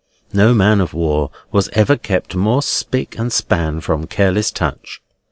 No man of war was ever kept more spick and span from careless touch.